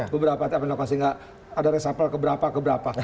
beberapa tempat lokasi nggak ada resapel keberapa keberapa